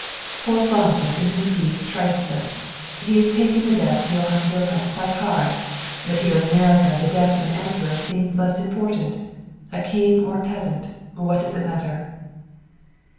"Poor Franzel is indeed triste. He is taking the death of Johann Wilhelm quite hard. But here in America the death of an emperor seems less important. A king or a peasant, what does it matter!"